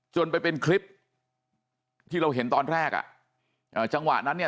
จนไปเป็นคลิปที่เราเห็นตอนแรกอ่ะอ่าจังหวะนั้นเนี่ย